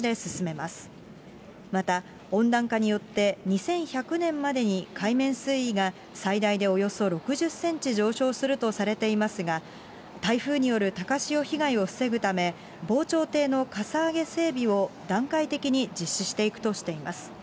また温暖化によって、２１００年までに海面水位が最大でおよそ６０センチ上昇するとされていますが、台風による高潮被害を防ぐため、防潮堤のかさ上げ整備を段階的に実施していくとしています。